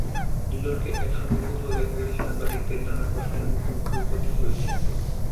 দুজনকে একসঙ্গে কোথাও দেখা গেলে সাংবাদিকদের নানা প্রশ্নের মুখোমুখিও হতে হয়েছে।